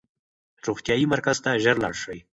روغتیايي مرکز ته ژر لاړ شئ.